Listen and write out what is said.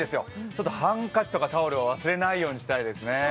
ちょっとハンカチとかタオルを忘れないようにしたいですね。